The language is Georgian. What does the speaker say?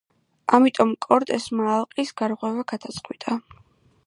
ამიტომ კორტესმა ალყის გარღვევა გადაწყვიტა.